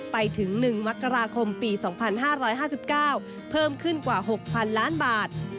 ไปถึง๑มกราคมปี๒๕๕๙เพิ่มขึ้นกว่า๖๐๐๐ล้านบาท